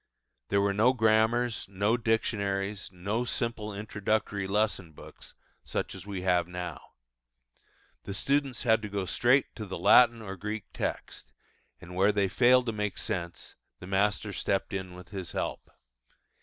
There were no grammars, no dictionaries, no simple introductory lesson books, such as we have now. The students had to go straight at the Latin or Greek text, and where they failed to make sense, the master stepped in with his help.